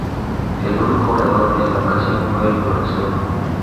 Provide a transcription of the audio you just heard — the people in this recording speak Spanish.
El único orador en la ocasión fue el Prof.